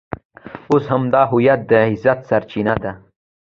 اوس همدا هویت د عزت سرچینه ده.